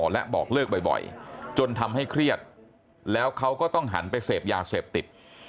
และบอกเลิกบ่อยจนทำให้เครียดแล้วเขาก็ต้องหันไปเสพยาเสพติด